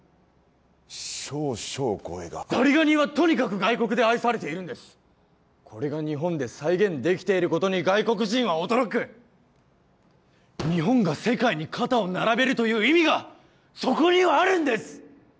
少々お声がザリガニはとにかく外国で愛されているんですこれが日本で再現できていることに外国人は驚く日本が世界に肩を並べるという意味がそこにはあるんです！